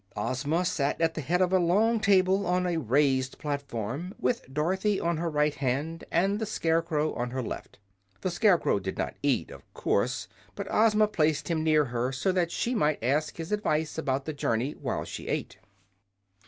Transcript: Ozma sat at the head of a long table, on a raised platform, with Dorothy on her right hand and the Scarecrow on her left. The Scarecrow did not eat, of course; but Ozma placed him near her so that she might ask his advice about the journey while she ate.